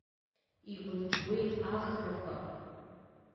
Игәынқьуеит ахрақәа.